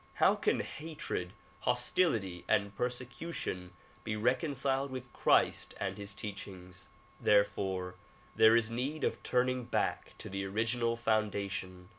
How can hatred, hostility and persecution be reconciled with Christ and his teachings? Therefore there is need of turning back to the original founda tion.